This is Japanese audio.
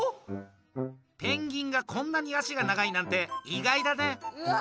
ペンギンがこんなに足が長いなんて意外だね！